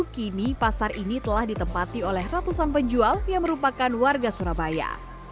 kini pasar ini telah ditempati oleh ratusan penjual yang merupakan warga surabaya